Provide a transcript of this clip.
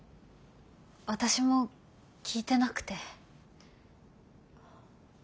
私も聞いてなくて。